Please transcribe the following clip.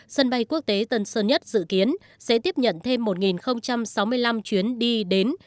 sân bay quốc tế tân sơn nhất dự kiến sẽ tiếp nhận thêm một sáu mươi năm chuyến đi đến